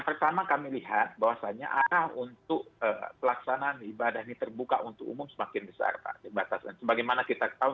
puncaknya tanggal dua puluh tujuh ramadan kemarin